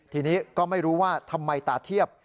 ทีนี้ก็ไม่รู้ว่าทำไมตาเทียบ